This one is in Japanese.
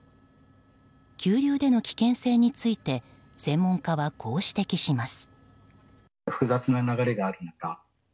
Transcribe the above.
急流での危険性について専門家はこう指摘します。